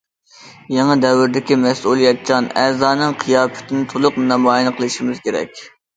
يېڭى دەۋردىكى مەسئۇلىيەتچان ئەزانىڭ قىياپىتىنى تولۇق نامايان قىلىشىمىز كېرەك.